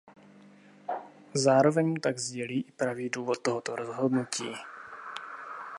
Zároveň mu tak sdělí i pravý důvod tohoto rozhodnutí.